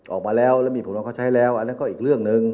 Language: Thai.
ออกมาแล้วแล้วมีผลของเขาใช้แล้วอันนั้นก็อีกเรื่องหนึ่ง